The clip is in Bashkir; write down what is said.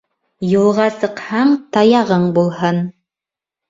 Юлға сыҡһаң, таяғың булһын.